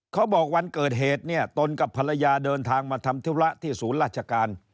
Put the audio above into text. วันเกิดเหตุเนี่ยตนกับภรรยาเดินทางมาทำธุระที่ศูนย์ราชการ